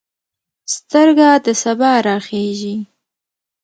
سترګه د سبا راخیژې